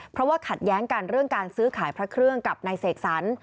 เพราะว่าขัดแย้งกันเรื่องการซื้อขายพระเครื่องกับนายเสกสรร